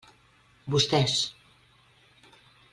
Vostès.